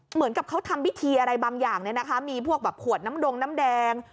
เหมือนกับเขาทำพิธีอะไรบางอย่างเนี่ยนะคะมีพวกแบบขวดน้ำดงน้ำแดง